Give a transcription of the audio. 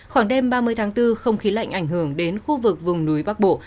khoảng đêm ba mươi tháng bốn không khí lạnh ảnh hưởng đến khu vực vùng núi bắc bộ